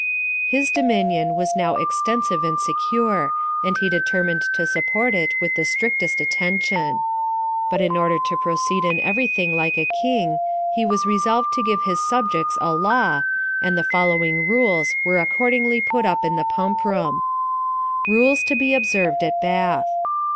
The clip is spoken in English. His dominion was now extensive and secure, and he determined to support it with the strictest attention. But in order to proceed in every thing like a King, he was resolved to give his subjects a law, and the following Rules were accordingly put up in the pump room : RULES TO BE OBSERVED AT BATH.